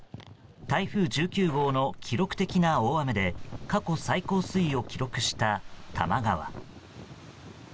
台風１９号の記録的な大雨で過去最高水位を記録した多摩川。